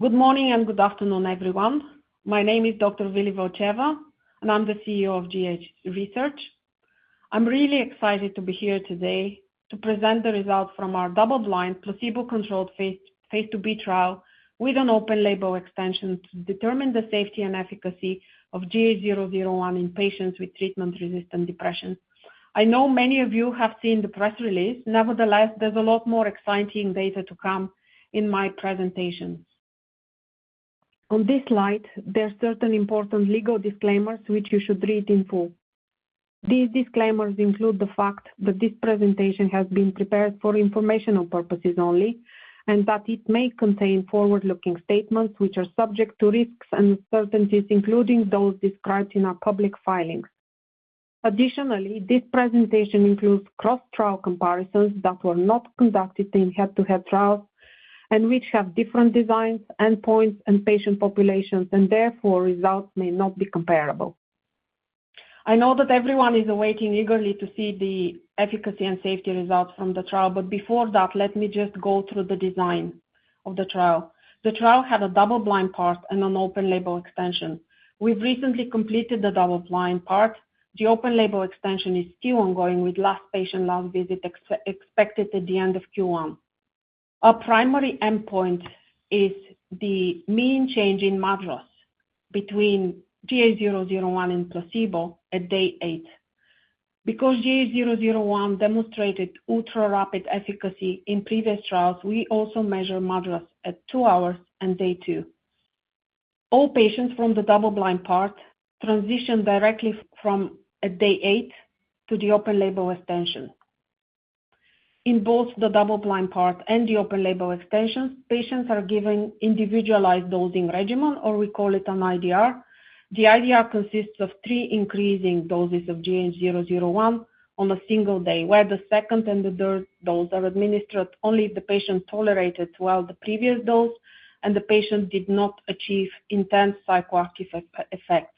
Good morning and good afternoon, everyone. My name is Dr. Villy Valcheva, and I'm the CEO of GH Research. I'm really excited to be here today to present the results from our double-blind, placebo-controlled phase IIb trial with an open-label extension to determine the safety and efficacy of GH001 in patients with treatment-resistant depression. I know many of you have seen the press release; nevertheless, there's a lot more exciting data to come in my presentation. On this slide, there are certain important legal disclaimers which you should read in full. These disclaimers include the fact that this presentation has been prepared for informational purposes only, and that it may contain forward-looking statements which are subject to risks and uncertainties, including those described in our public filings. Additionally, this presentation includes cross-trial comparisons that were not conducted in head-to-head trials and which have different designs, endpoints, and patient populations, and therefore results may not be comparable. I know that everyone is awaiting eagerly to see the efficacy and safety results from the trial, but before that, let me just go through the design of the trial. The trial had a double-blind part and an open-label extension. We've recently completed the double-blind part. The open-label extension is still ongoing, with last patient, last visit expected at the end of Q1. Our primary endpoint is the mean change in MADRS between GH001 and placebo at day eight. Because GH001 demonstrated ultra-rapid efficacy in previous trials, we also measure MADRS at two hours and day two. All patients from the double-blind part transition directly from day eight to the open-label extension. In both the double-blind part and the open-label extensions, patients are given individualized dosing regimen, or we call it an IDR. The IDR consists of three increasing doses of GH001 on a single day, where the second and the third dose are administered only if the patient tolerated well the previous dose and the patient did not achieve intense psychoactive effects.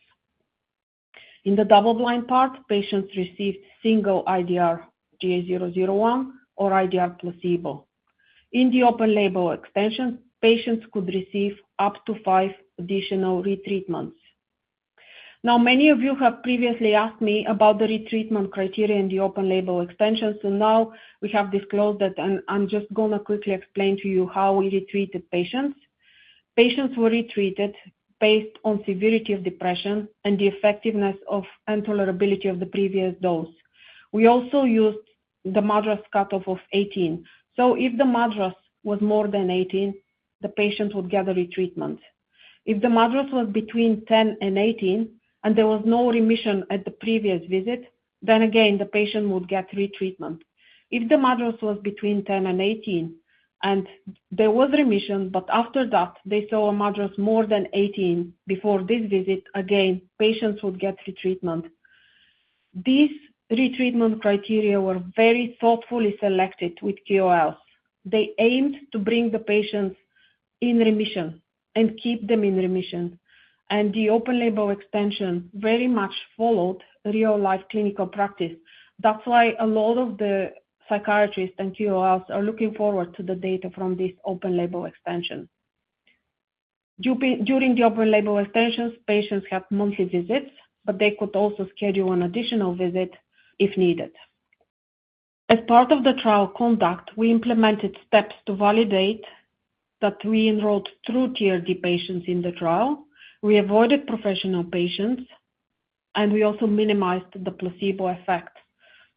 In the double-blind part, patients received single IDR GH001 or IDR placebo. In the open-label extension, patients could receive up to five additional retreatments. Now, many of you have previously asked me about the retreatment criteria in the open-label extension, so now we have disclosed that, and I'm just going to quickly explain to you how we retreated patients. Patients were retreated based on severity of depression and the effectiveness and tolerability of the previous dose. We also used the MADRS cutoff of 18. So if the MADRS was more than 18, the patient would get a retreatment. If the MADRS was between 10 and 18 and there was no remission at the previous visit, then again, the patient would get retreatment. If the MADRS was between 10 and 18 and there was remission, but after that, they saw a MADRS more than 18 before this visit, again, patients would get retreatment. These retreatment criteria were very thoughtfully selected with KOLs. They aimed to bring the patients in remission and keep them in remission. And the open-label extension very much followed real-life clinical practice. That's why a lot of the psychiatrists and KOLs are looking forward to the data from this open-label extension. During the open-label extension, patients had monthly visits, but they could also schedule an additional visit if needed. As part of the trial conduct, we implemented steps to validate that we enrolled true TRD patients in the trial. We avoided professional patients, and we also minimized the placebo effect.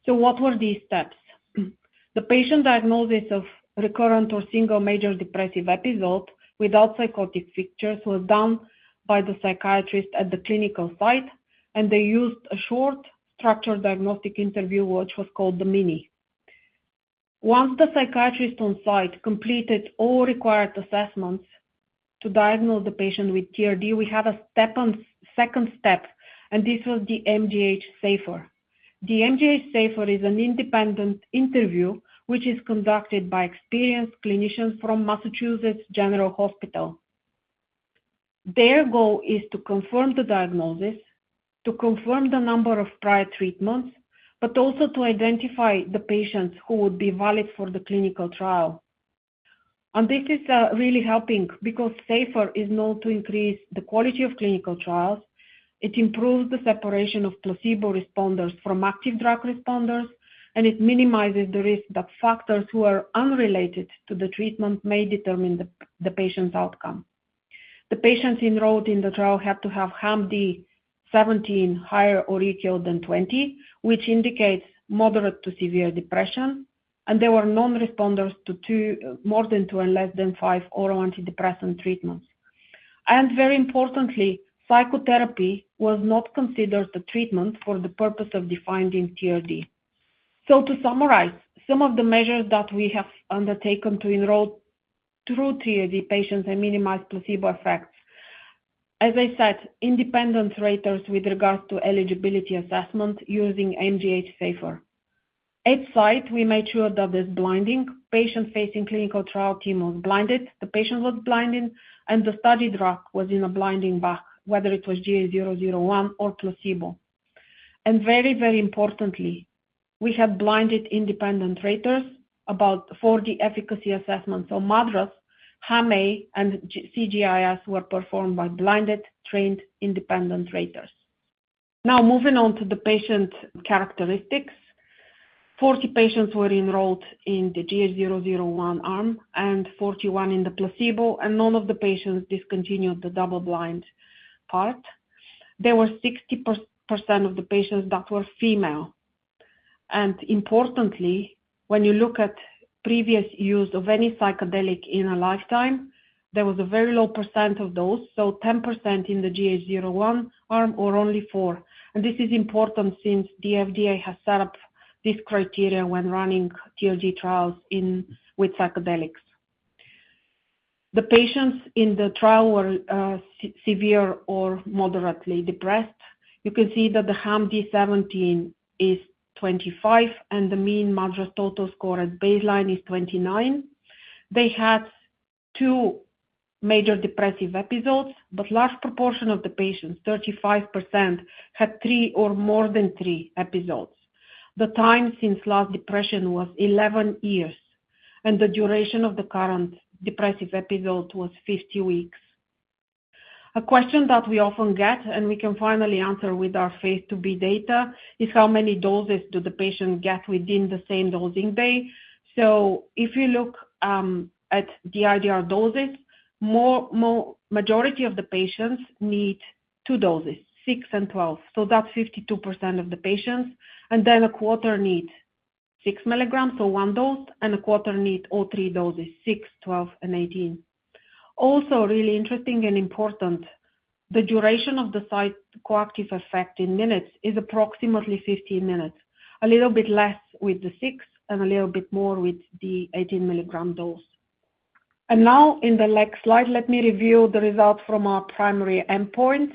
So what were these steps? The patient diagnosis of recurrent or single major depressive episode without psychotic features was done by the psychiatrist at the clinical site, and they used a short structured diagnostic interview, which was called the MINI. Once the psychiatrist on site completed all required assessments to diagnose the patient with TRD, we had a second step, and this was the MGH SAFER. The MGH SAFER is an independent interview which is conducted by experienced clinicians from Massachusetts General Hospital. Their goal is to confirm the diagnosis, to confirm the number of prior treatments, but also to identify the patients who would be valid for the clinical trial. This is really helping because SAFER is known to increase the quality of clinical trials. It improves the separation of placebo responders from active drug responders, and it minimizes the risk that factors who are unrelated to the treatment may determine the patient's outcome. The patients enrolled in the trial had to have HAM-D17 higher or equal than 20, which indicates moderate to severe depression, and there were non-responders to more than two and less than five oral antidepressant treatments. Very importantly, psychotherapy was not considered a treatment for the purpose of defining TRD. To summarize, some of the measures that we have undertaken to enroll true TRD patients and minimize placebo effects, as I said, independent raters with regards to eligibility assessment using MGH SAFER. At site, we made sure that there's blinding. The patient-facing clinical trial team was blinded. The patient was blinded, and the study drug was in a blinding bag, whether it was GH001 or placebo. Very, very importantly, we had blinded independent raters about 40 efficacy assessments. MADRS, HAM-A, and CGI-S were performed by blinded, trained independent raters. Now, moving on to the patient characteristics, 40 patients were enrolled in the GH001 arm and 41 in the placebo, and none of the patients discontinued the double-blind part. There were 60% of the patients that were female. Importantly, when you look at previous use of any psychedelic in a lifetime, there was a very low percent of those, so 10% in the GH001 arm or only 4%. This is important since the FDA has set up these criteria when running TRD trials with psychedelics. The patients in the trial were severe or moderately depressed. You can see that the HAM-D17 is 25, and the mean MADRS total score at baseline is 29. They had two major depressive episodes, but a large proportion of the patients, 35%, had three or more than three episodes. The time since last depression was 11 years, and the duration of the current depressive episode was 50 weeks. A question that we often get, and we can finally answer with our phase II-B data, is how many doses do the patients get within the same dosing day. So if you look at the IDR doses, the majority of the patients need two doses, 6 and 12. So that's 52% of the patients. And then a quarter needs 6 milligrams, so one dose, and a quarter needs all three doses, 6, 12, and 18. Also, really interesting and important, the duration of the psychoactive effect in minutes is approximately 15 minutes, a little bit less with the 6 and a little bit more with the 18 milligram dose. And now, in the next slide, let me review the results from our primary endpoint.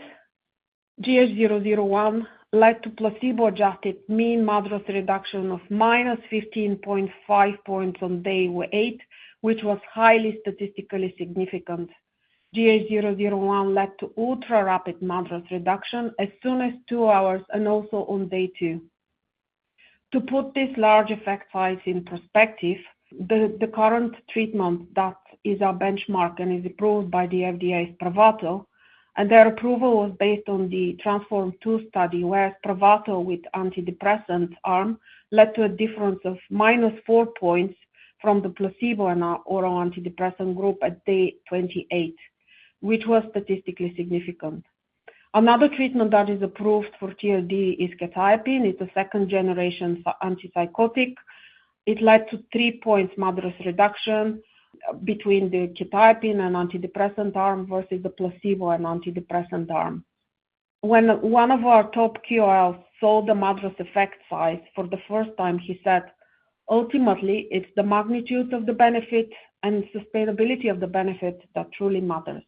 GH001 led to placebo-adjusted mean MADRS reduction of minus 15.5 points on day eight, which was highly statistically significant. GH001 led to ultra-rapid MADRS reduction as soon as two hours and also on day two. To put these large effect sizes in perspective, the current treatment that is our benchmark and is approved by the FDA is Spravato, and their approval was based on the TRANSFORM-II study, where Spravato with antidepressant arm led to a difference of minus four points from the placebo and oral antidepressant group at day 28, which was statistically significant. Another treatment that is approved for TRD is quetiapine. It's a second-generation antipsychotic. It led to three points MADRS reduction between the quetiapine and antidepressant arm versus the placebo and antidepressant arm. When one of our top KOLs saw the MADRS effect size for the first time, he said, "Ultimately, it's the magnitude of the benefit and sustainability of the benefit that truly matters."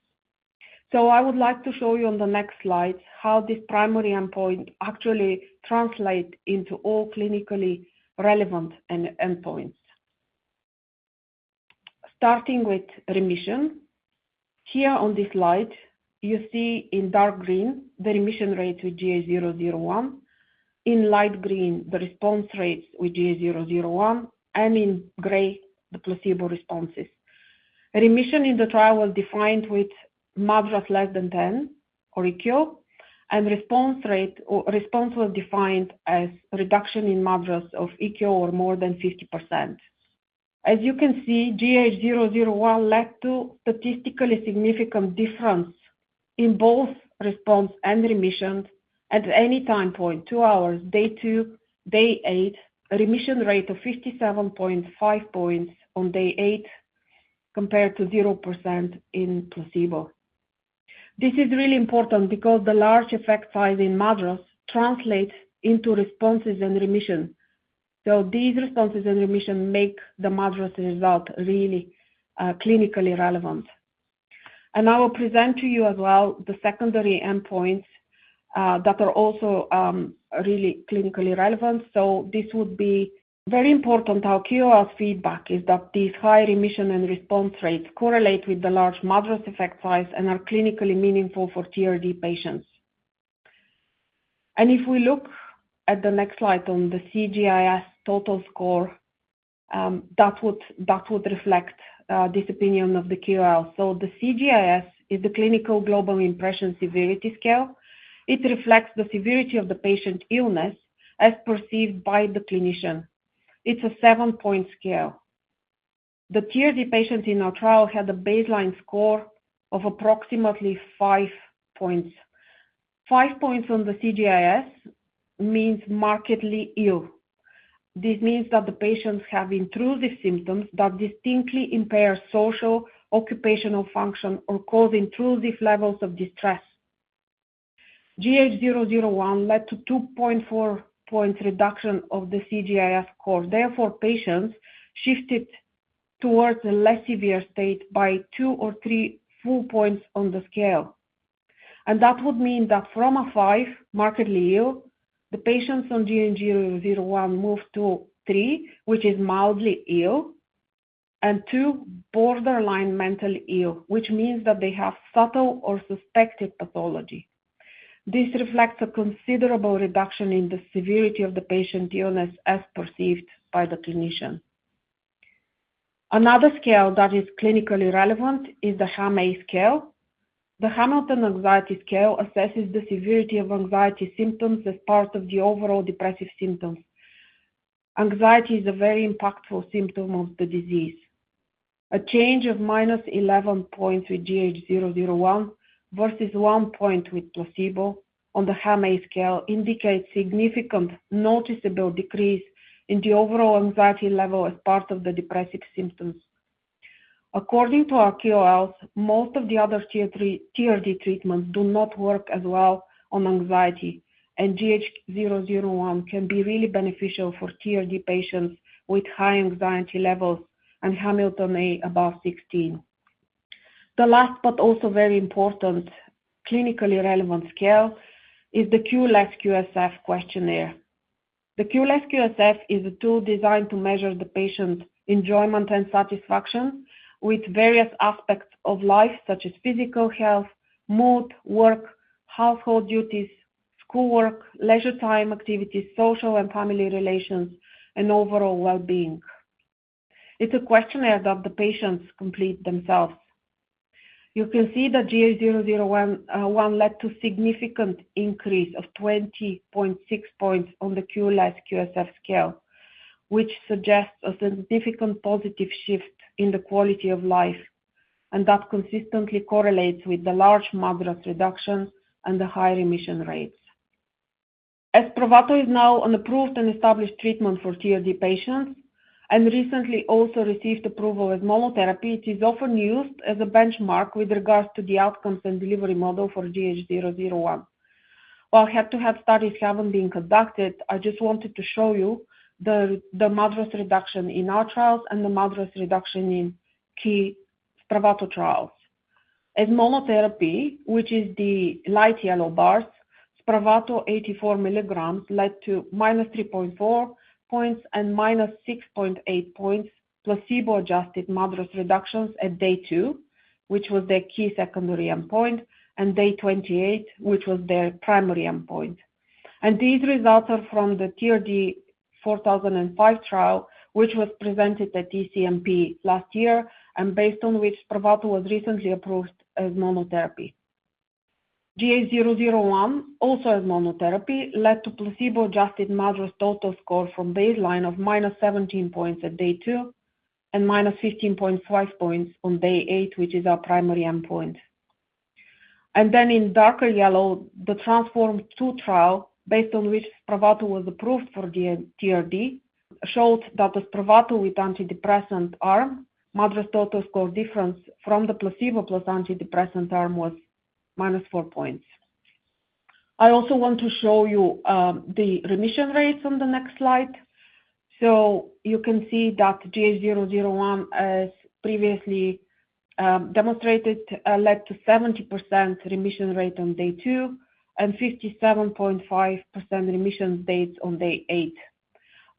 So I would like to show you on the next slide how this primary endpoint actually translates into all clinically relevant endpoints. Starting with remission, here on this slide, you see in dark green the remission rate with GH001, in light green the response rates with GH001, and in gray the placebo responses. Remission in the trial was defined with MADRS less than 10 or equal, and response was defined as reduction in MADRS of equal or more than 50%. As you can see, GH001 led to a statistically significant difference in both response and remission at any time point, two hours, day two, day eight, a remission rate of 57.5% on day eight compared to 0% in placebo. This is really important because the large effect size in MADRS translates into responses and remission. These responses and remission make the MADRS result really clinically relevant. I will present to you as well the secondary endpoints that are also really clinically relevant. This would be very important. Our KOL feedback is that these high remission and response rates correlate with the large MADRS effect size and are clinically meaningful for TRD patients. If we look at the next slide on the CGI-S total score, that would reflect this opinion of the KOL. The CGI-S is the Clinical Global Impression Severity Scale. It reflects the severity of the patient illness as perceived by the clinician. It's a seven-point scale. The TRD patients in our trial had a baseline score of approximately five points. Five points on the CGI-S means markedly ill. This means that the patients have intrusive symptoms that distinctly impair social, occupational function, or cause intrusive levels of distress. GH001 led to 2.4 points reduction of the CGI-S score. Therefore, patients shifted towards a less severe state by two or three full points on the scale. And that would mean that from a five, markedly ill, the patients on GH001 moved to three, which is mildly ill, and two, borderline mentally ill, which means that they have subtle or suspected pathology. This reflects a considerable reduction in the severity of the patient illness as perceived by the clinician. Another scale that is clinically relevant is the HAM-A Scale. The Hamilton Anxiety Scale assesses the severity of anxiety symptoms as part of the overall depressive symptoms. Anxiety is a very impactful symptom of the disease. A change of minus 11 points with GH001 versus 1 point with placebo on the HAM-A Scale indicates significant noticeable decrease in the overall anxiety level as part of the depressive symptoms. According to our KOLs, most of the other TRD treatments do not work as well on anxiety, and GH001 can be really beneficial for TRD patients with high anxiety levels and Hamilton A above 16. The last, but also very important clinically relevant scale is the Q-LES-Q-SF questionnaire. The Q-LES-Q-SF is a tool designed to measure the patient's enjoyment and satisfaction with various aspects of life, such as physical health, mood, work, household duties, schoolwork, leisure time activities, social and family relations, and overall well-being. It's a questionnaire that the patients complete themselves. You can see that GH001 led to a significant increase of 20.6 points on the Q-LES-Q-SF scale, which suggests a significant positive shift in the quality of life, and that consistently correlates with the large MADRS reduction and the high remission rates. As Spravato is now an approved and established treatment for TRD patients and recently also received approval as monotherapy, it is often used as a benchmark with regards to the outcomes and delivery model for GH001. While head-to-head studies haven't been conducted, I just wanted to show you the MADRS reduction in our trials and the MADRS reduction in key Spravato trials. As monotherapy, which is the light yellow bars, Spravato 84 milligrams led to minus 3.4 points and minus 6.8 points placebo-adjusted MADRS reductions at day two, which was their key secondary endpoint, and day 28, which was their primary endpoint. These results are from the TRD 4005 trial, which was presented at ECNP last year and based on which Spravato was recently approved as monotherapy. GH001, also as monotherapy, led to placebo-adjusted MADRS total score from baseline of minus 17 points at day two and minus 15.5 points on day eight, which is our primary endpoint. In darker yellow, the TRANSFORM-II trial, based on which Spravato was approved for TRD, showed that the Spravato with antidepressant arm, MADRS total score difference from the placebo plus antidepressant arm was minus 4 points. I also want to show you the remission rates on the next slide. So you can see that GH001, as previously demonstrated, led to a 70% remission rate on day two and 57.5% remission rates on day eight.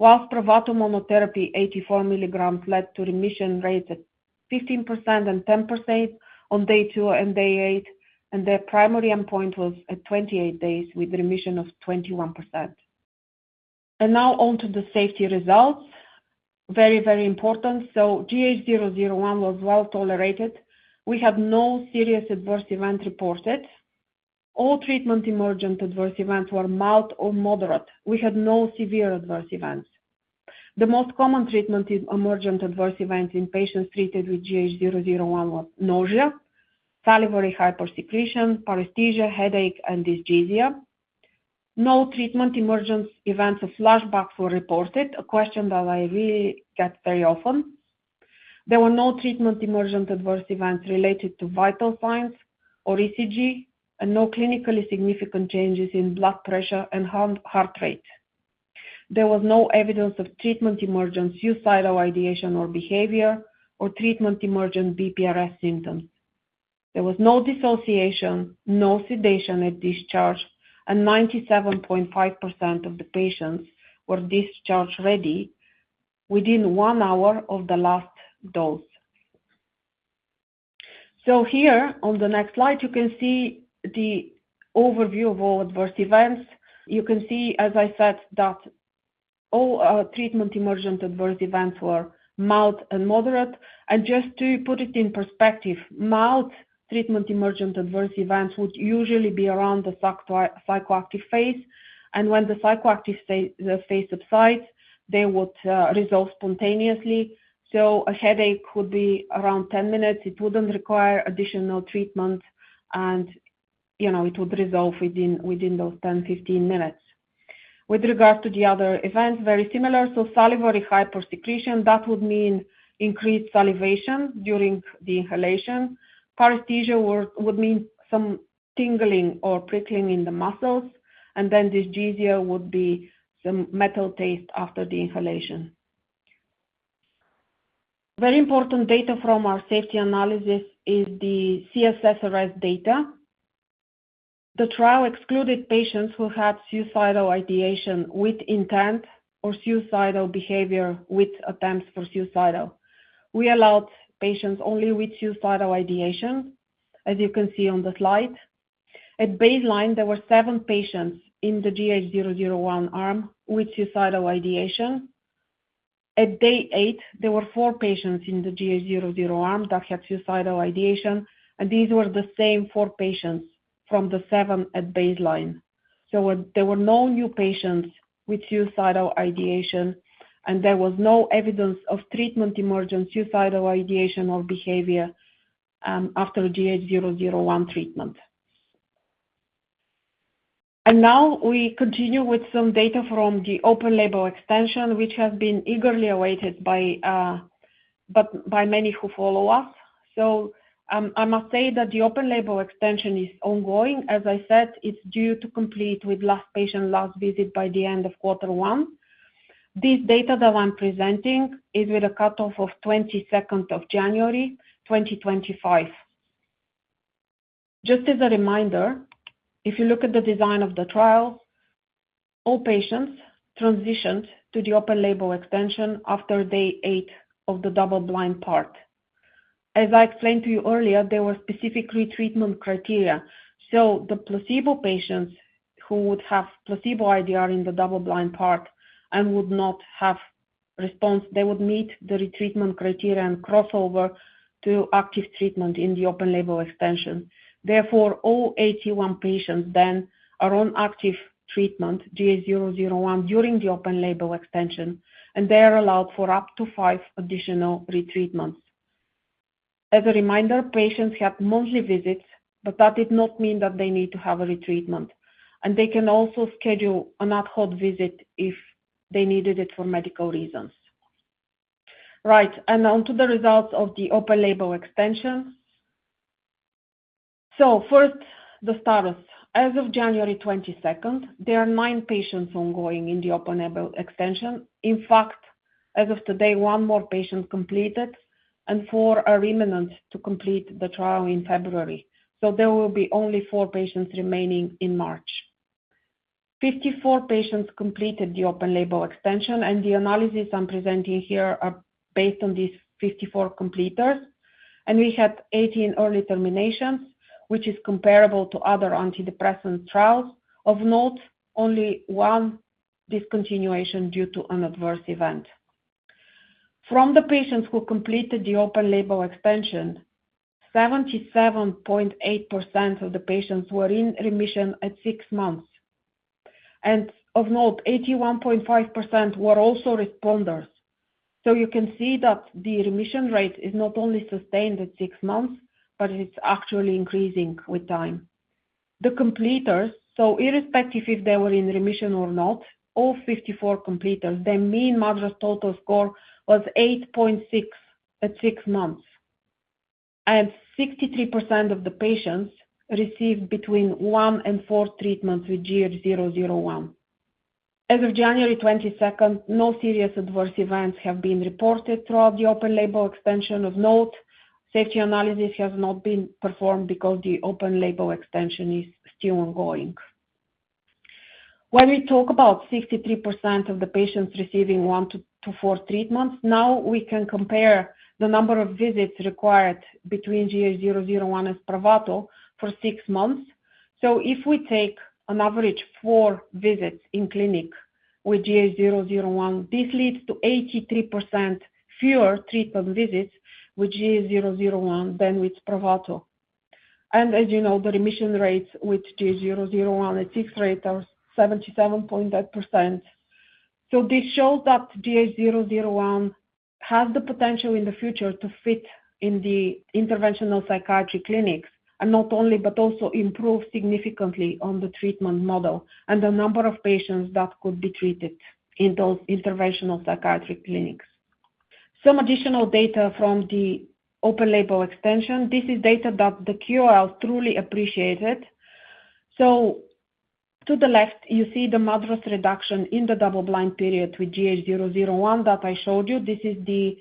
While Spravato monotherapy 84 milligrams led to remission rates at 15% and 10% on day two and day eight, and their primary endpoint was at 28 days with a remission of 21%. And now on to the safety results, very, very important. So GH001 was well tolerated. We had no serious adverse event reported. All treatment emergent adverse events were mild or moderate. We had no severe adverse events. The most common treatment emergent adverse events in patients treated with GH001 were nausea, salivary hypersecretion, paresthesia, headache, and dysgeusia. No treatment emergent events of flashbacks were reported, a question that I really get very often. There were no treatment emergent adverse events related to vital signs or ECG, and no clinically significant changes in blood pressure and heart rate. There was no evidence of treatment emergence, suicidal ideation or behavior, or treatment emergent BPRS symptoms. There was no dissociation, no sedation at discharge, and 97.5% of the patients were discharge ready within one hour of the last dose. So here, on the next slide, you can see the overview of all adverse events. You can see, as I said, that all treatment emergent adverse events were mild and moderate. And just to put it in perspective, mild treatment emergent adverse events would usually be around the psychoactive phase, and when the psychoactive phase subsides, they would resolve spontaneously. So a headache would be around 10 minutes. It wouldn't require additional treatment, and it would resolve within those 10, 15 minutes. With regard to the other events, very similar, so salivary hypersecretion, that would mean increased salivation during the inhalation. Paresthesia would mean some tingling or prickling in the muscles, and then dysgeusia would be some metallic taste after the inhalation. Very important data from our safety analysis is the C-SSRS data. The trial excluded patients who had suicidal ideation with intent or suicidal behavior with attempts for suicide. We allowed patients only with suicidal ideation, as you can see on the slide. At baseline, there were seven patients in the GH001 arm with suicidal ideation. At day eight, there were four patients in the GH001 arm that had suicidal ideation, and these were the same four patients from the seven at baseline, so there were no new patients with suicidal ideation, and there was no evidence of treatment emergent suicidal ideation or behavior after GH001 treatment. Now we continue with some data from the open-label extension, which has been eagerly awaited by many who follow us. So I must say that the open-label extension is ongoing. As I said, it's due to complete with last patient last visit by the end of quarter one. This data that I'm presenting is with a cutoff of 22nd of January 2025. Just as a reminder, if you look at the design of the trial, all patients transitioned to the open-label extension after day eight of the double-blind part. As I explained to you earlier, there were specific retreatment criteria. So the placebo patients who would have placebo IDR in the double-blind part and would not have response, they would meet the retreatment criteria and crossover to active treatment in the open-label extension. Therefore, all 81 patients then are on active treatment, GH001, during the open-label extension, and they are allowed for up to five additional retreatments. As a reminder, patients had monthly visits, but that did not mean that they need to have a retreatment, and they can also schedule an ad hoc visit if they needed it for medical reasons. Right, and on to the results of the open-label extension, so first, the status. As of January 22nd, there are nine patients ongoing in the open-label extension. In fact, as of today, one more patient completed, and four are imminent to complete the trial in February, so there will be only four patients remaining in March. 54 patients completed the open-label extension, and the analyses I'm presenting here are based on these 54 completers, and we had 18 early terminations, which is comparable to other antidepressant trials. Of note, only one discontinuation due to an adverse event. From the patients who completed the open-label extension, 77.8% of the patients were in remission at six months, and of note, 81.5% were also responders, so you can see that the remission rate is not only sustained at six months, but it's actually increasing with time. The completers, so irrespective if they were in remission or not, all 54 completers, their mean MADRS total score was 8.6 at six months, and 63% of the patients received between one and four treatments with GH001. As of January 22nd, no serious adverse events have been reported throughout the open-label extension. Of note, safety analysis has not been performed because the open-label extension is still ongoing. When we talk about 63% of the patients receiving one to four treatments, now we can compare the number of visits required between GH001 and Spravato for six months. So if we take an average of four visits in clinic with GH001, this leads to 83% fewer treatment visits with GH001 than with Spravato. And as you know, the remission rates with GH001 at six months are 77.8%. This shows that GH001 has the potential in the future to fit in the interventional psychiatric clinics and not only, but also improve significantly on the treatment model and the number of patients that could be treated in those interventional psychiatric clinics. Some additional data from the open-label extension. This is data that the QOL truly appreciated. To the left, you see the MADRS reduction in the double-blind period with GH001 that I showed you. This is the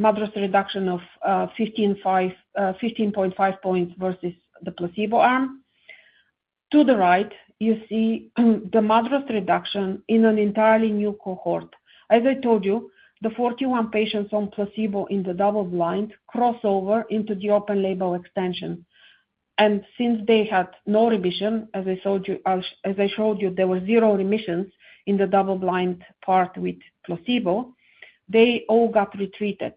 MADRS reduction of 15.5 points versus the placebo arm. To the right, you see the MADRS reduction in an entirely new cohort. As I told you, the 41 patients on placebo in the double-blind crossover into the open-label extension. And since they had no remission, as I showed you, there were zero remissions in the double-blind part with placebo, they all got retreated.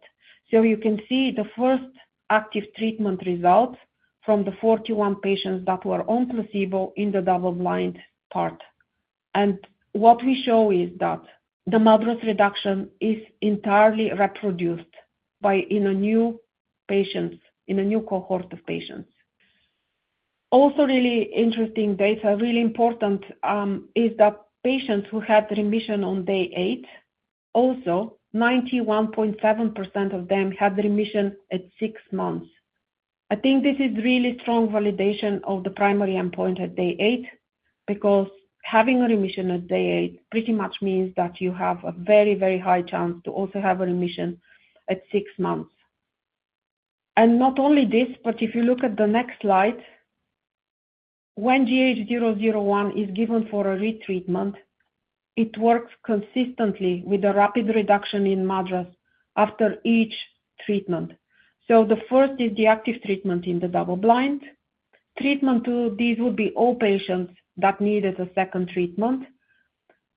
So you can see the first active treatment results from the 41 patients that were on placebo in the double-blind part. And what we show is that the MADRS reduction is entirely reproduced in a new cohort of patients. Also really interesting data, really important, is that patients who had remission on day eight, also 91.7% of them had remission at six months. I think this is really strong validation of the primary endpoint at day eight because having a remission at day eight pretty much means that you have a very, very high chance to also have a remission at six months. Not only this, but if you look at the next slide, when GH001 is given for a retreatment, it works consistently with a rapid reduction in MADRS after each treatment. The first is the active treatment in the double-blind. Treatment two, these would be all patients that needed a second treatment.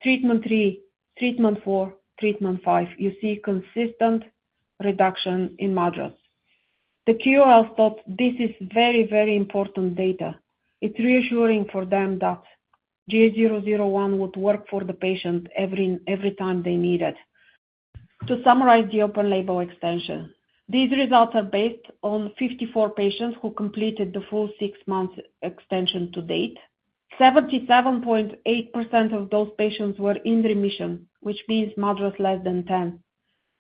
Treatment three, treatment four, treatment five. You see consistent reduction in MADRS. The KOLs thought this is very, very important data. It's reassuring for them that GH001 would work for the patient every time they needed. To summarize the open-label extension, these results are based on 54 patients who completed the full six-month extension to date. 77.8% of those patients were in remission, which means MADRS less than 10,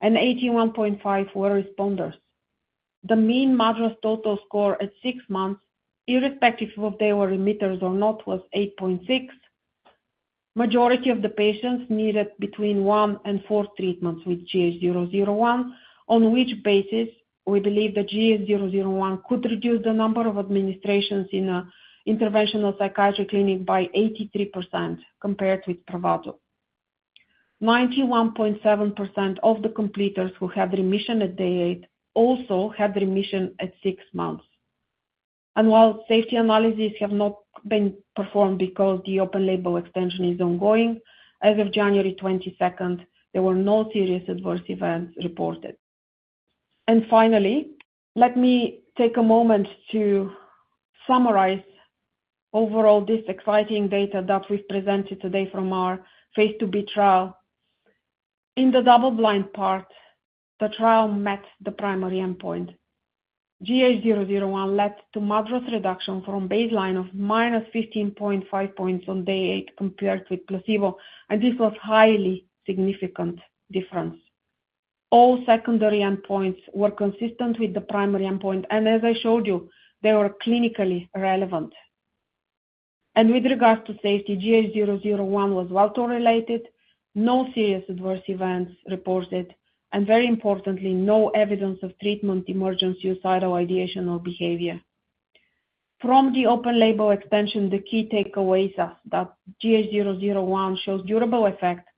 and 81.5% were responders. The mean MADRS total score at six months, irrespective if they were remitters or not, was 8.6. Majority of the patients needed between one and four treatments with GH001, on which basis we believe that GH001 could reduce the number of administrations in an interventional psychiatric clinic by 83% compared with Spravato. 91.7% of the completers who had remission at day eight also had remission at six months. And while safety analyses have not been performed because the open-label extension is ongoing, as of January 22nd, there were no serious adverse events reported. And finally, let me take a moment to summarize overall this exciting data that we've presented today from our phase II-B trial. In the double-blind part, the trial met the primary endpoint. GH001 led to MADRS reduction from baseline of minus 15.5 points on day eight compared with placebo, and this was a highly significant difference. All secondary endpoints were consistent with the primary endpoint, and as I showed you, they were clinically relevant. And with regards to safety, GH001 was well-tolerated, no serious adverse events reported, and very importantly, no evidence of treatment-emergent suicidal ideation or behavior. From the open-label extension, the key takeaways are that GH001 shows durable effect,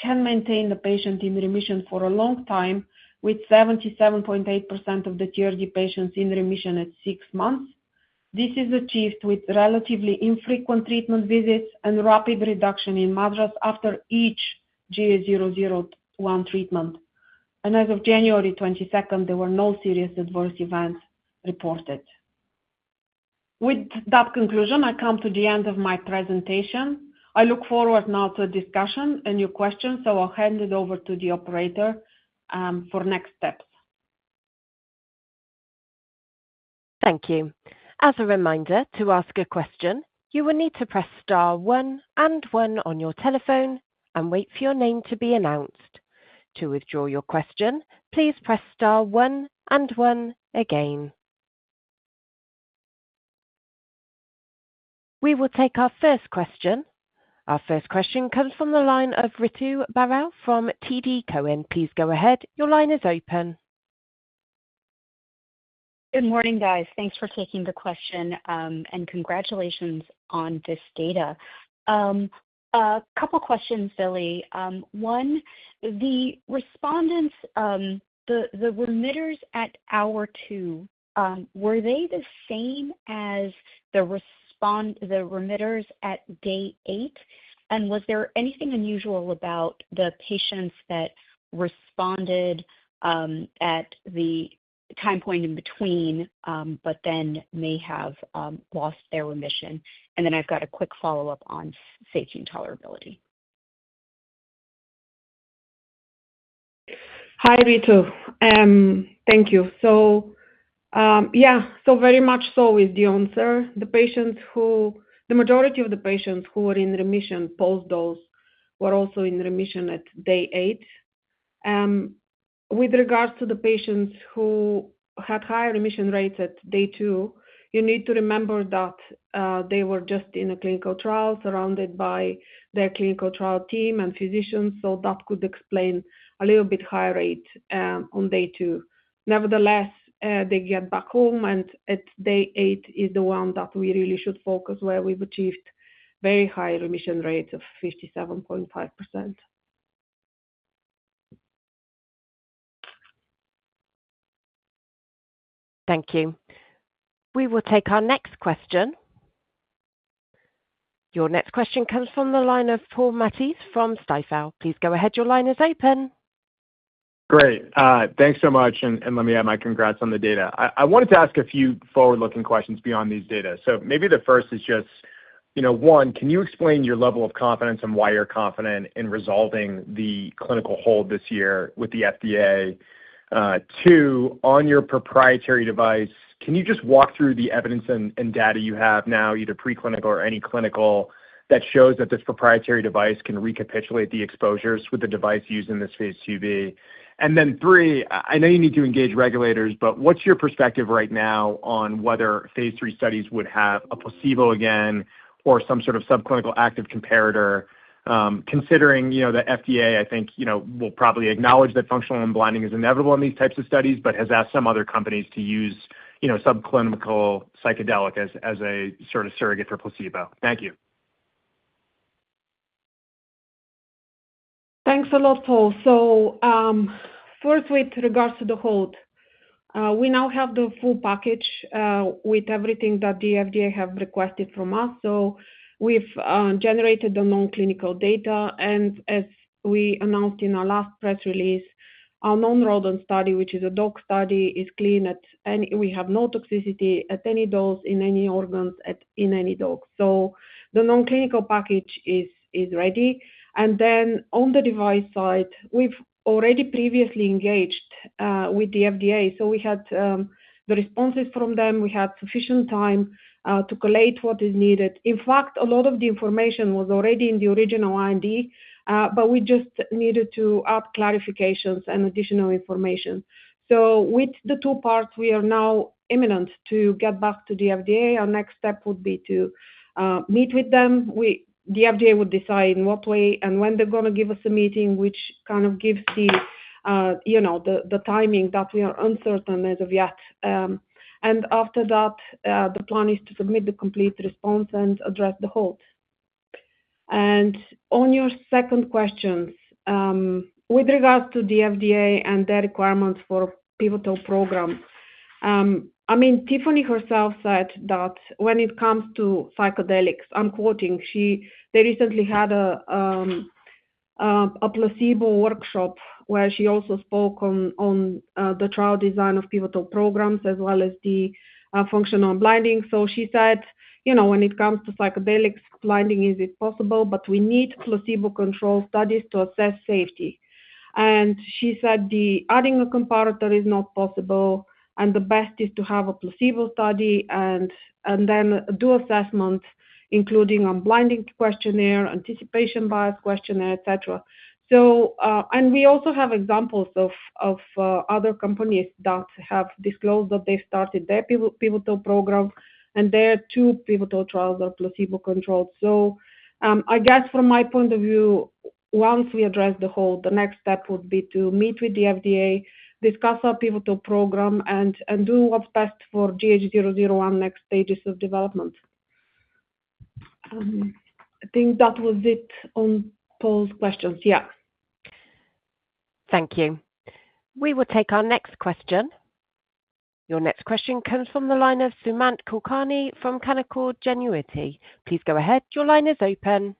can maintain the patient in remission for a long time with 77.8% of the TRD patients in remission at six months. This is achieved with relatively infrequent treatment visits and rapid reduction in MADRS after each GH001 treatment. And as of January 22nd, there were no serious adverse events reported. With that conclusion, I come to the end of my presentation. I look forward now to a discussion and your questions, so I'll hand it over to the operator for next steps. Thank you. As a reminder, to ask a question, you will need to press star one and one on your telephone and wait for your name to be announced. To withdraw your question, please press star one and one again. We will take our first question. Our first question comes from the line of Ritu Baral from TD Cowen. Please go ahead. Your line is open. Good morning, guys. Thanks for taking the question, and congratulations on this data. A couple of questions, Villy. One, the responders, the remitters at hour two, were they the same as the remitters at day eight? And was there anything unusual about the patients that responded at the time point in between, but then may have lost their remission? And then I've got a quick follow-up on safety and tolerability. Hi, Ritu. Thank you. So yeah, so very much so with the answer. The majority of the patients who were in remission post-dose were also in remission at day eight. With regards to the patients who had higher remission rates at day two, you need to remember that they were just in a clinical trial surrounded by their clinical trial team and physicians, so that could explain a little bit higher rate on day two. Nevertheless, they get back home, and at day eight is the one that we really should focus where we've achieved very high remission rates of 57.5%. Thank you. We will take our next question. Your next question comes from the line of Paul Matteis from Stifel. Please go ahead. Your line is open. Great. Thanks so much. And let me add my congrats on the data. I wanted to ask a few forward-looking questions beyond these data. So maybe the first is just, one, can you explain your level of confidence and why you're confident in resolving the clinical hold this year with the FDA? Two, on your proprietary device, can you just walk through the evidence and data you have now, either preclinical or any clinical, that shows that this proprietary device can recapitulate the exposures with the device used in this phase II-B? And then three, I know you need to engage regulators, but what's your perspective right now on whether phase III studies would have a placebo again or some sort of subclinical active comparator? Considering the FDA, I think will probably acknowledge that functional unblinding is inevitable in these types of studies, but has asked some other companies to use subclinical psychedelic as a sort of surrogate for placebo. Thank you. Thanks a lot, Paul. So first, with regards to the hold, we now have the full package with everything that the FDA have requested from us. So we've generated the non-clinical data. And as we announced in our last press release, our non-rodent study, which is a dog study, is clean, and we have no toxicity at any dose in any organs in any dog. So the non-clinical package is ready. And then on the device side, we've already previously engaged with the FDA. So we had the responses from them. We had sufficient time to collate what is needed. In fact, a lot of the information was already in the original IND, but we just needed to add clarifications and additional information. So with the two parts, we are now ready to get back to the FDA. Our next step would be to meet with them. The FDA would decide in what way and when they're going to give us a meeting, which kind of gives the timing that we are uncertain as of yet. And after that, the plan is to submit the complete response and address the hold. And on your second question, with regards to the FDA and their requirements for pivotal program, I mean, Tiffany herself said that when it comes to psychedelics, I'm quoting, they recently had a placebo workshop where she also spoke on the trial design of pivotal programs as well as the functional unblinding. So she said, "When it comes to psychedelics, blinding isn't possible, but we need placebo-controlled studies to assess safety." And she said that adding a comparator is not possible, and the best is to have a placebo study and then do assessments, including unblinding questionnaire, anticipation bias questionnaire, etc. And we also have examples of other companies that have disclosed that they've started their pivotal program, and their two pivotal trials are placebo-controlled. So I guess from my point of view, once we address the hold, the next step would be to meet with the FDA, discuss our pivotal program, and do what's best for GH001 next stages of development. I think that was it on Paul's questions. Yeah. Thank you. We will take our next question. Your next question comes from the line of Sumant Kulkarni from Canaccord Genuity. Please go ahead. Your line is open.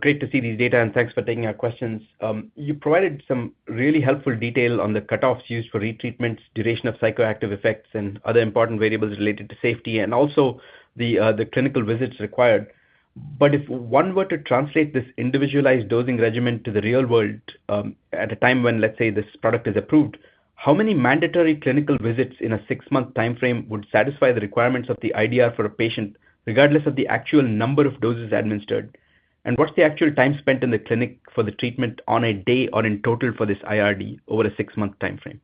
Great to see these data, and thanks for taking our questions. You provided some really helpful detail on the cutoffs used for retreatments, duration of psychoactive effects, and other important variables related to safety, and also the clinical visits required. But if one were to translate this individualized dosing regimen to the real world at a time when, let's say, this product is approved, how many mandatory clinical visits in a six-month timeframe would satisfy the requirements of the IDR for a patient, regardless of the actual number of doses administered? And what's the actual time spent in the clinic for the treatment on a day or in total for this IDR over a six-month timeframe?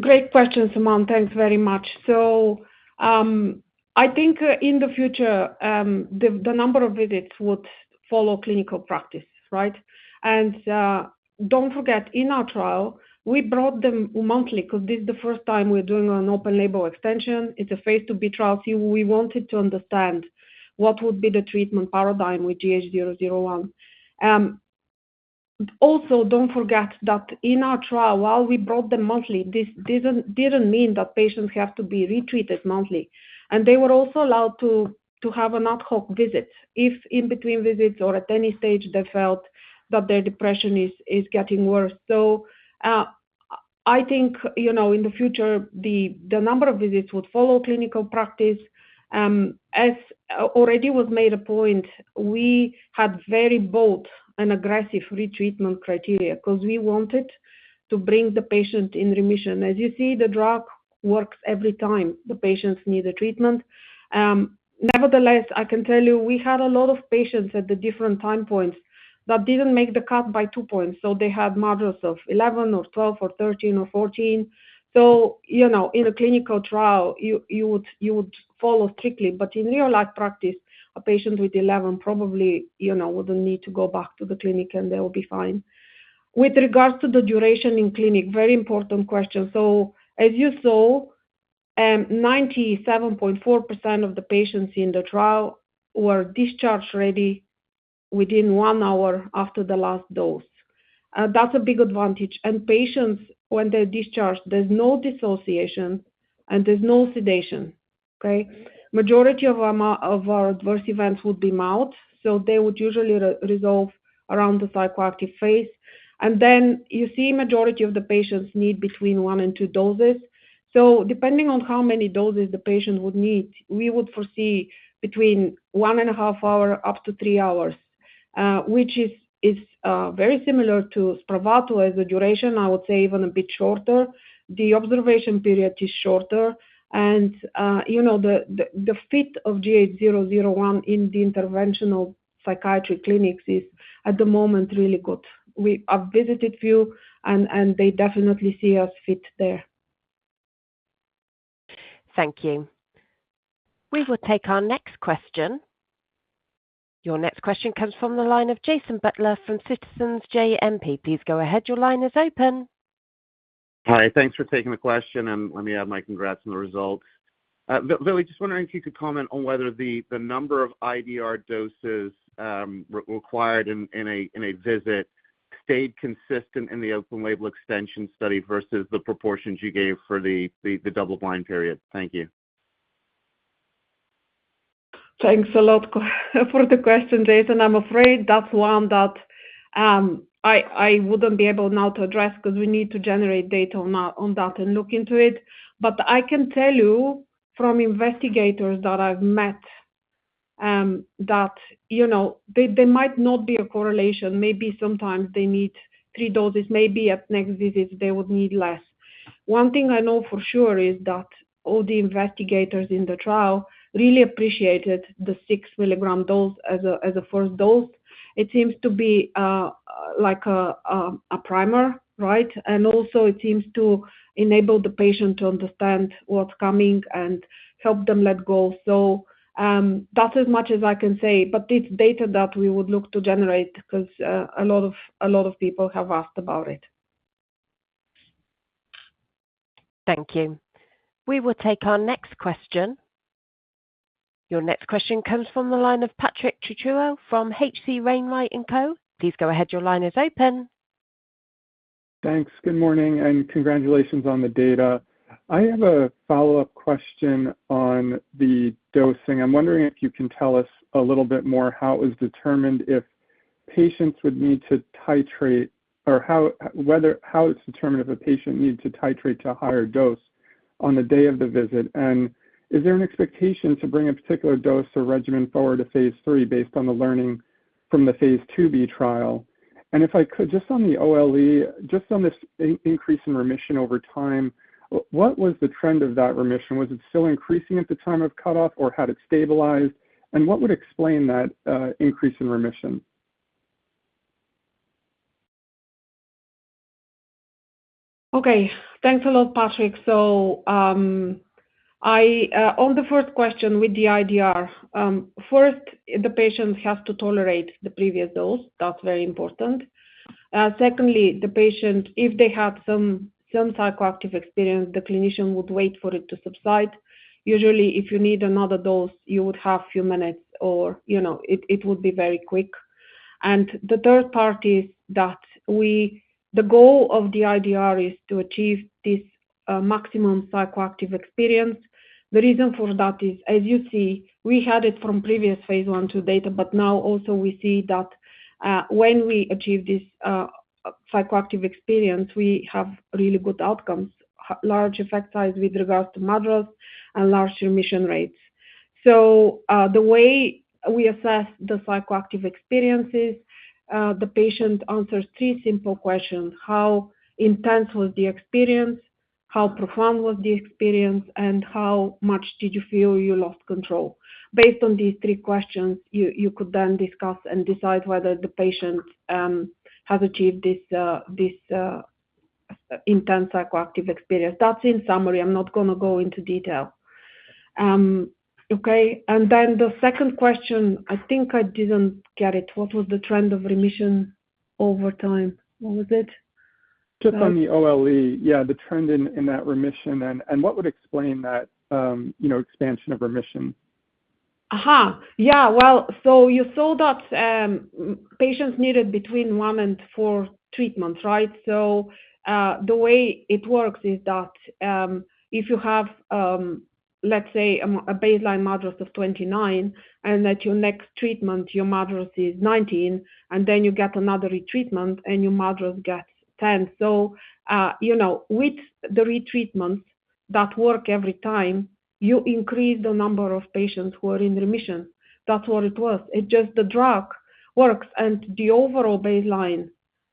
Great question, Sumant. Thanks very much. So I think in the future, the number of visits would follow clinical practice, right? And don't forget, in our trial, we brought them monthly because this is the first time we're doing an open-label extension. It's a phase II-B trial. We wanted to understand what would be the treatment paradigm with GH001. Also, don't forget that in our trial, while we brought them monthly, this didn't mean that patients have to be retreated monthly. And they were also allowed to have an ad hoc visit if in between visits or at any stage they felt that their depression is getting worse. So I think in the future, the number of visits would follow clinical practice. As already was made a point, we had very bold and aggressive retreatment criteria because we wanted to bring the patient in remission. As you see, the drug works every time the patients need the treatment. Nevertheless, I can tell you we had a lot of patients at the different time points that didn't make the cut by two points, so they had MADRS of 11 or 12 or 13 or 14. So in a clinical trial, you would follow strictly, but in real-life practice, a patient with 11 probably wouldn't need to go back to the clinic, and they will be fine. With regards to the duration in clinic, very important question, so as you saw, 97.4% of the patients in the trial were discharge-ready within one hour after the last dose. That's a big advantage, and patients, when they're discharged, there's no dissociation, and there's no sedation, okay? Majority of our adverse events would be mild, so they would usually resolve around the psychoactive phase. And then you see majority of the patients need between one and two doses. So depending on how many doses the patient would need, we would foresee between one and a half hour up to three hours, which is very similar to Spravato as a duration. I would say even a bit shorter. The observation period is shorter. And the fit of GH001 in the interventional psychiatric clinics is, at the moment, really good. We have visited few, and they definitely see us fit there. Thank you. We will take our next question. Your next question comes from the line of Jason Butler from Citizens JMP. Please go ahead. Your line is open. Hi. Thanks for taking the question. And let me add my congrats on the results. Villy, just wondering if you could comment on whether the number of IDR doses required in a visit stayed consistent in the open-label extension study versus the proportions you gave for the double-blind period. Thank you. Thanks a lot for the question, Jason. I'm afraid that's one that I wouldn't be able now to address because we need to generate data on that and look into it. But I can tell you from investigators that I've met that there might not be a correlation. Maybe sometimes they need three doses. Maybe at next visit, they would need less. One thing I know for sure is that all the investigators in the trial really appreciated the 6 milligram dose as a first dose. It seems to be like a primer, right? And also, it seems to enable the patient to understand what's coming and help them let go. So that's as much as I can say. But it's data that we would look to generate because a lot of people have asked about it. Thank you. We will take our next question. Your next question comes from the line of Patrick Trucchio from H.C. Wainwright & Co. Please go ahead. Your line is open. Thanks. Good morning, and congratulations on the data. I have a follow-up question on the dosing. I'm wondering if you can tell us a little bit more how it was determined if patients would need to titrate, or how it's determined if a patient needs to titrate to a higher dose on the day of the visit. And is there an expectation to bring a particular dose or regimen forward to phase III based on the learning from the phase II-B trial? And if I could, just on the OLE, just on this increase in remission over time, what was the trend of that remission? Was it still increasing at the time of cutoff, or had it stabilized? And what would explain that increase in remission? Okay. Thanks a lot, Patrick. So on the first question with the IDR, first, the patient has to tolerate the previous dose. That's very important. Secondly, the patient, if they had some psychoactive experience, the clinician would wait for it to subside. Usually, if you need another dose, you would have a few minutes, or it would be very quick. And the third part is that the goal of the IDR is to achieve this maximum psychoactive experience. The reason for that is, as you see, we had it from previous phase 1/2 data, but now also we see that when we achieve this psychoactive experience, we have really good outcomes, large effect size with regards to MADRS and large remission rates. So the way we assess the psychoactive experiences, the patient answers three simple questions: how intense was the experience, how profound was the experience, and how much did you feel you lost control. Based on these three questions, you could then discuss and decide whether the patient has achieved this intense psychoactive experience. That's in summary. I'm not going to go into detail. Okay? And then the second question, I think I didn't get it. What was the trend of remission over time? What was it? Just on the OLE, yeah, the trend in that remission, and what would explain that expansion of remission? Yeah. Well, so you saw that patients needed between one and four treatments, right? So the way it works is that if you have, let's say, a baseline MADRS of 29, and at your next treatment, your MADRS is 19, and then you get another retreatment, and your MADRS gets 10. So with the retreatments that work every time, you increase the number of patients who are in remission. That's what it was. It's just the drug works, and the overall baseline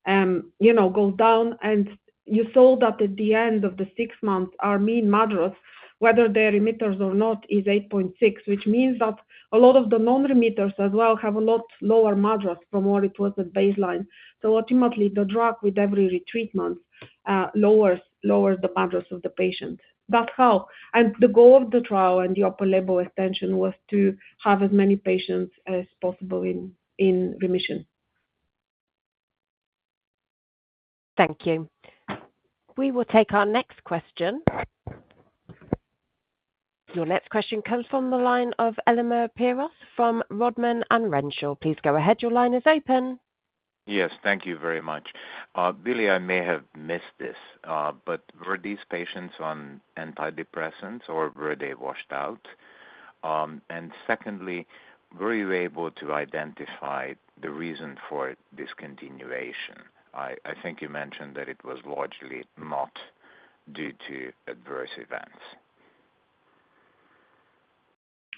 goes down. And you saw that at the end of the six months, our mean MADRS, whether they're remitters or not, is 8.6, which means that a lot of the non-remitters as well have a lot lower MADRS from what it was at baseline. So ultimately, the drug with every retreatment lowers the MADRS of the patient. That's how. The goal of the trial and the open-label extension was to have as many patients as possible in remission. Thank you. We will take our next question. Your next question comes from the line of Elemer Piros from Rodman & Renshaw. Please go ahead. Your line is open. Yes. Thank you very much. Villy, I may have missed this, but were these patients on antidepressants, or were they washed out? And secondly, were you able to identify the reason for discontinuation? I think you mentioned that it was largely not due to adverse events.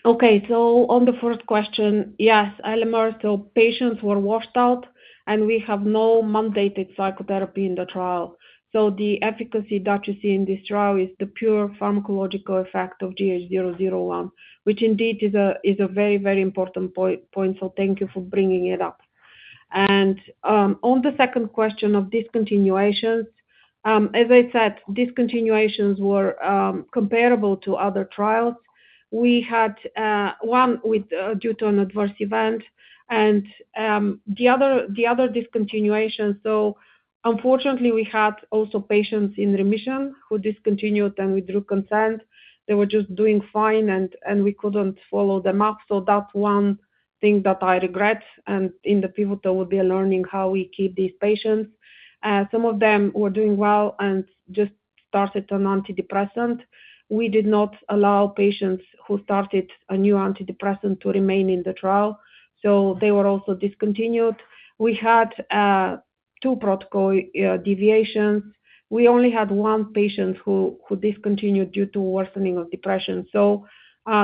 Okay. So on the first question, yes, Elemer, so patients were washed out, and we have no mandated psychotherapy in the trial. So the efficacy that you see in this trial is the pure pharmacological effect of GH001, which indeed is a very, very important point. So thank you for bringing it up. And on the second question of discontinuations, as I said, discontinuations were comparable to other trials. We had one due to an adverse event, and the other discontinuation, so unfortunately, we had also patients in remission who discontinued, and we withdrew consent. They were just doing fine, and we couldn't follow them up. So that's one thing that I regret. And in the pivotal, we'll be learning how we keep these patients. Some of them were doing well and just started an antidepressant. We did not allow patients who started a new antidepressant to remain in the trial. So they were also discontinued. We had two protocol deviations. We only had one patient who discontinued due to worsening of depression. So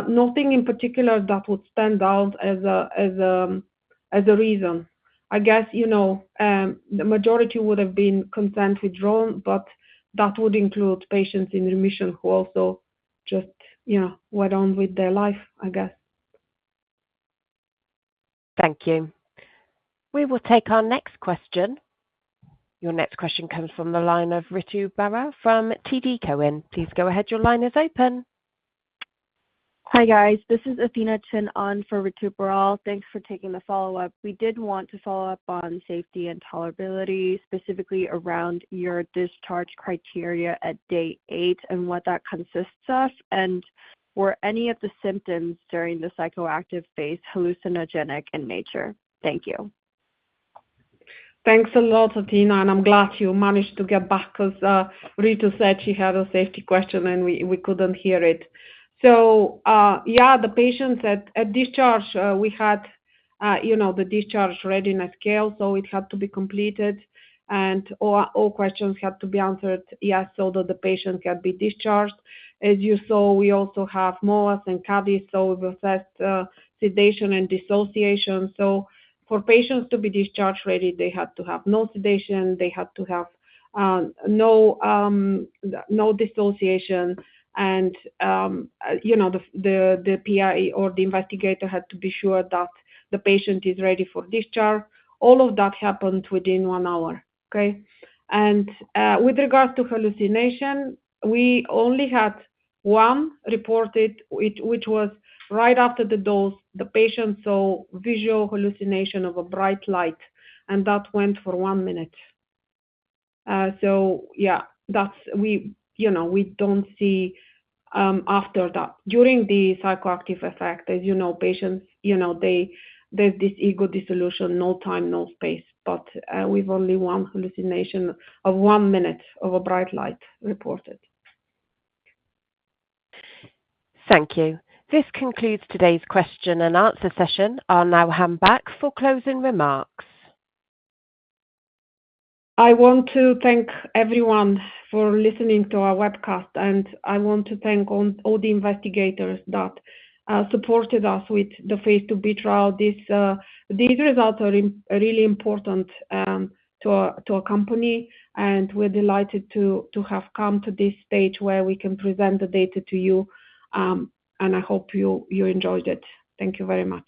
nothing in particular that would stand out as a reason. I guess the majority would have been consent withdrawn, but that would include patients in remission who also just went on with their life, I guess. Thank you. We will take our next question. Your next question comes from the line of Ritu Baral from TD Cowen. Please go ahead. Your line is open. Hi, guys. This is Athena Shan for Ritu Baral. Thanks for taking the follow-up. We did want to follow up on safety and tolerability, specifically around your discharge criteria at day eight and what that consists of. And were any of the symptoms during the psychoactive phase hallucinogenic in nature? Thank you. Thanks a lot, Athena. And I'm glad you managed to get back because Ritu said she had a safety question, and we couldn't hear it. So yeah, the patients at discharge, we had the discharge readiness scale, so it had to be completed, and all questions had to be answered yes so that the patient could be discharged. As you saw, we also have MOAS and CADSS, so we've assessed sedation and dissociation. So for patients to be discharge-ready, they had to have no sedation. They had to have no dissociation. And the PI or the investigator had to be sure that the patient is ready for discharge. All of that happened within one hour, okay? And with regards to hallucination, we only had one reported, which was right after the dose, the patient saw visual hallucination of a bright light, and that went for one minute. So yeah, we don't see after that. During the psychoactive effect, as you know, patients, there's this ego dissolution, no time, no space. But we've only one hallucination of one minute of a bright light reported. Thank you. This concludes today's question and answer session. I'll now hand back for closing remarks. I want to thank everyone for listening to our webcast, and I want to thank all the investigators that supported us with the phase II-B trial. These results are really important to our company, and we're delighted to have come to this stage where we can present the data to you. I hope you enjoyed it. Thank you very much.